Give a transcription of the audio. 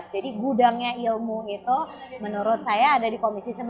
jadi gudangnya ilmu itu menurut saya ada di komisi sebelas